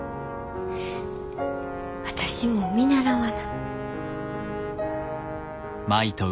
私も見習わな。